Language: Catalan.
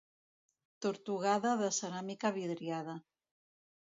Tortugada de ceràmica vidriada.